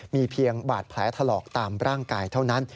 มีเพียงบาดแผลถลอกตามร่างกายเท่านั้น